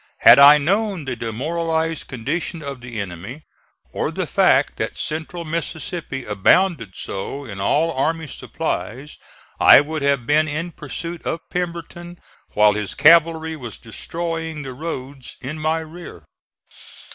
Had I known the demoralized condition of the enemy, or the fact that central Mississippi abounded so in all army supplies, I would have been in pursuit of Pemberton while his cavalry was destroying the roads in my rear.